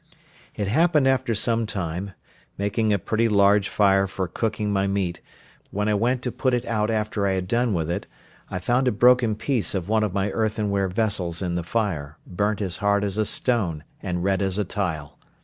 It happened after some time, making a pretty large fire for cooking my meat, when I went to put it out after I had done with it, I found a broken piece of one of my earthenware vessels in the fire, burnt as hard as a stone, and red as a tile.